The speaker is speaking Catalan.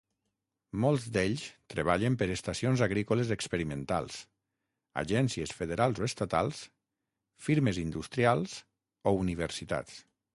Molts d'ells treballen per estacions agrícoles experimentals, agències federals o estatals, firmes industrials o universitats.